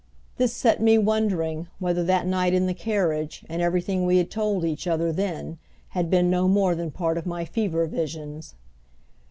This set me wondering whether that night in the carriage and everything we had told each other then had been no more than part of my fever visions.